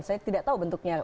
saya tidak tahu bentuknya